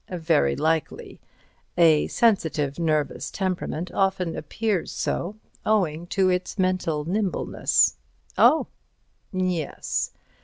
"Very likely. A sensitive nervous temperament often appears so, owing to its mental nimbleness." "Oh!" "Yes.